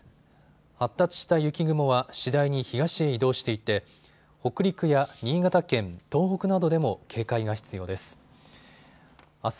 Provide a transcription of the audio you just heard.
発達した雪雲は次第に東へ移動していて北陸や新潟県、東北などでも警戒が必要です。